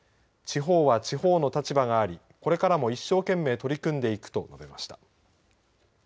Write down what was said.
地方は地方の立場がありこれからも一生懸命取り組んでいくと述べました。